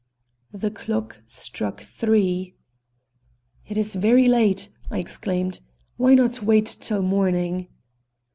The clock struck three. "It is very late," I exclaimed. "Why not wait till morning?"